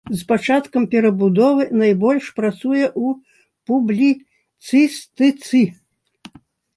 З пачаткам перабудовы найбольш працуе ў публіцыстыцы.